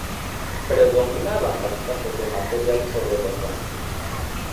Predominaban las casas de material sobre los ranchos.